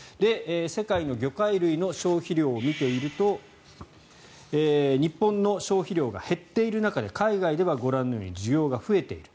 世界の魚介類の消費量を見てみると日本の消費量が減っている中で海外ではご覧のように需要が増えている。